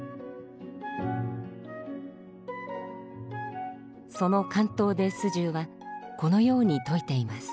その巻頭で素十はこのように説いています。